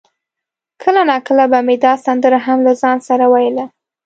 کله ناکله به مې دا سندره هم له ځانه سره ویله.